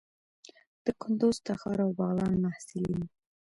د کندوز، تخار او بغلان محصلین وو.